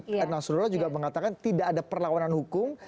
pak nasrullah juga mengatakan tidak ada perlawanan hukum